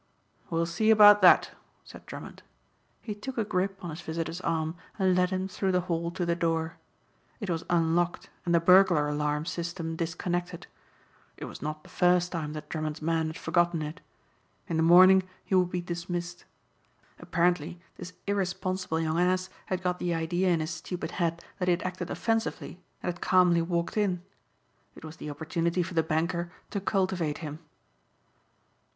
"We'll see about that," said Drummond. He took a grip on his visitor's arm and led him through the hall to the door. It was unlocked and the burglar alarm system disconnected. It was not the first time that Drummond's man had forgotten it. In the morning he would be dismissed. Apparently this irresponsible young ass had got the idea in his stupid head that he had acted offensively and had calmly walked in. It was the opportunity for the banker to cultivate him.